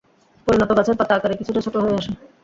পরিণত গাছের পাতা আকারে কিছুটা ছোট হয়ে আসে।